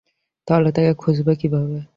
তাহলে তাকে খুঁজবে কীভাবে?